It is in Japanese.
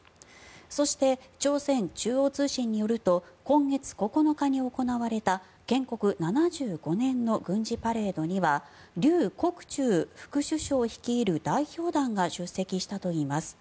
そして、朝鮮中央通信によると今月９日に行われた建国７５年の軍事パレードにはリュウ・コクチュウ副首相率いる代表団が出席したといいます。